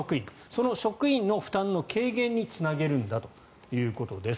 その職員の負担の軽減につなげるんだということです。